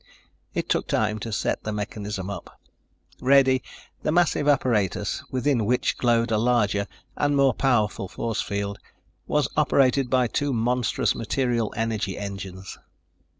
It took time to set the mechanism up. Ready, the massive apparatus, within which glowed a larger and more powerful force field, was operated by two monstrous material energy engines.